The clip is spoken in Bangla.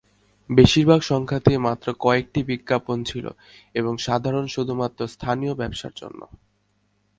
বেশিরভাগ সংখ্যাতেই মাত্র কয়েকটি বিজ্ঞাপন ছিল, এবং সাধারণত শুধুমাত্র স্থানীয় ব্যবসার জন্য।